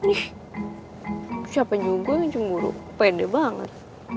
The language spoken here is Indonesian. ih siapa juga yang cemburu pede banget